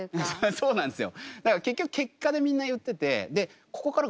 そうなんですよ。